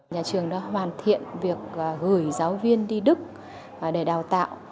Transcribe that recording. nhà trường đã hoàn thiện việc gửi giáo viên đi đức để đào tạo